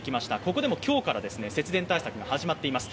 ここでも今日から節電対策が始まっています。